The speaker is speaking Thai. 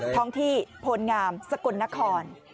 ท้องที่โพลงามสกลนคร